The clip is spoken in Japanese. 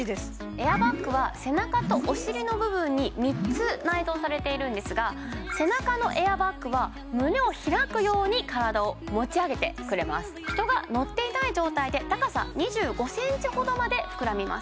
エアバッグは背中とお尻の部分に３つ内蔵されているんですが背中のエアバッグは胸を開くように体を持ち上げてくれます人がのっていない状態で高さ２５ｃｍほどまで膨らみます